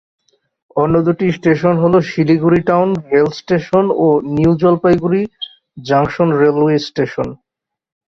অন্য দুটি স্টেশন হল শিলিগুড়ি টাউন রেল স্টেশন ও new Jalpaiguri junction railway station.